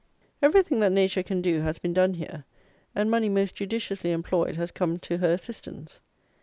Everything that nature can do has been done here; and money most judiciously employed has come to her assistance.